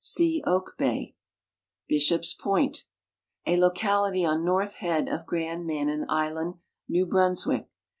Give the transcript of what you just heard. (See Oak bay.) Bishop's point, a locality on north head of Grand Manan island, New Brunswick.